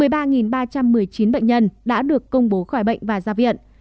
một mươi ba ba trăm một mươi chín bệnh nhân đã được công bố khỏi bệnh và ra viện